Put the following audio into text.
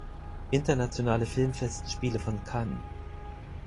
Internationale Filmfestspiele von Cannes